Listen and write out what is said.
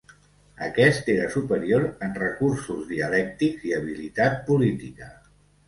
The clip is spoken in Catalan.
Aquest era superior en recursos dialèctics i habilitat política.